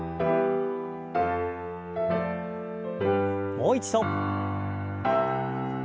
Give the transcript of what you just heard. もう一度。